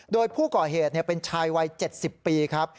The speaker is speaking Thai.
โดยผู้ก่อเหตุเป็นชายวัย๗๐ปีครับ